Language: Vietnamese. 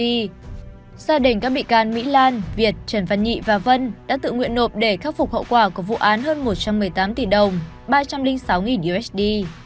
gia đình các bị can mỹ lan việt trần văn nhị và vân đã tự nguyện nộp để khắc phục hậu quả của vụ án hơn một trăm một mươi tám tỷ đồng ba trăm linh sáu usd